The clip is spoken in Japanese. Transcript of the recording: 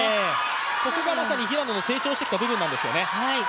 ここがまさに平野の成長してきた部分なんですよね。